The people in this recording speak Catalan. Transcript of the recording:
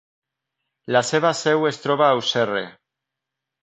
La seva seu es troba a Auxerre.